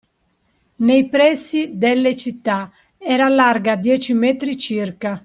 Nei pressi delle città era larga dieci metri circa